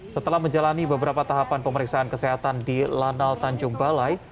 setelah menjalani beberapa tahapan pemeriksaan kesehatan di lanal tanjung balai